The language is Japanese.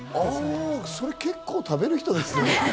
それ結構食べる人ですね。